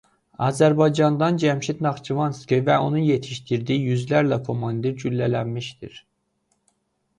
Azərbaycandan Cəmşid Naxçıvanski və onun yetişdirdiyi yüzlərlə komandir güllələnmişdir.